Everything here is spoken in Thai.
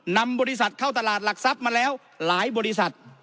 นำบริษัทเข้าตลาดหลักทรัพย์มาแล้วหลายบริษัท